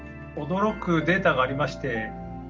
驚くデータがありまして。